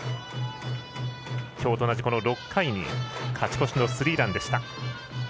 きょうと同じ６回に勝ち越しのスリーランでした。